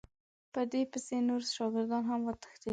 په دوی پسې نور شاګردان هم وتښتېدل.